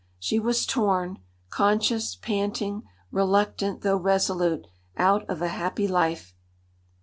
She was torn, conscious, panting, reluctant, though resolute, out of a happy life."